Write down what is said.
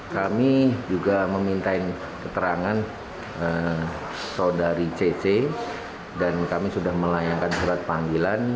kami juga memintain keterangan saudari cc dan kami sudah melayangkan surat panggilan